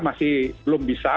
masih belum bisa